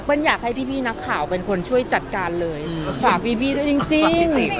อยากให้พี่นักข่าวเป็นคนช่วยจัดการเลยฝากบีบี้ด้วยจริง